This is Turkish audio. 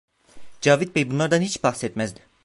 Cavit Bey bunlardan hiç bahsetmezdi.